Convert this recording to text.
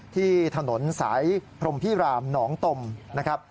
ที่ถนนสายพรมพิรามหนองตมนะครับ